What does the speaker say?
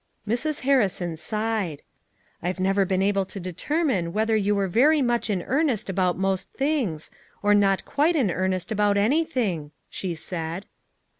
Mrs. Harrison sighed. "I've never been able to determine whether you were very much in earnest about most things, or not quite in earn est about anything," she said.